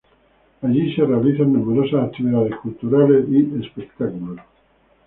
Allí se realizan numerosas actividades culturales y espectáculos.